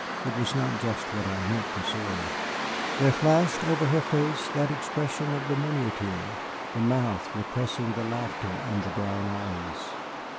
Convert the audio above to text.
It was not just what I meant to say. There flashed over her face that expression of the miniature, the mouth repressing the laughter in the brown eyes.